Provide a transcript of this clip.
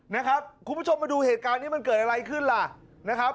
นะครับคุณผู้ชมมาดูเหตุการณ์นี้มันเกิดอะไรขึ้นล่ะนะครับ